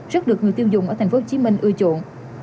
rất được người tiêu dùng ở tp hcm ưa chuộng